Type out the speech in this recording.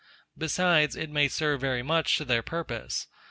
Besides, it may serve very much to their purpose.